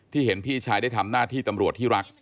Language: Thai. เห็นพี่ชายได้ทำหน้าที่ตำรวจที่รัก